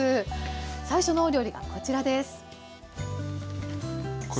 最初のお料理がこちらです。